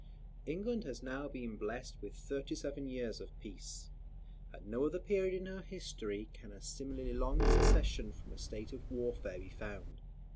England has now been blest with thirty seven years of peace. At no other period of her history can a similarly long cessation from a state of warfare be found.